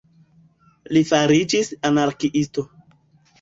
Li fariĝis anarkiisto.